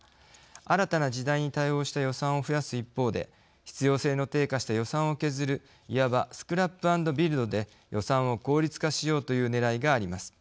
新たな時代に対応した予算を増やす一方で必要性の低下した予算を削るいわばスクラップ＆ビルドで予算を効率化しようというねらいがあります。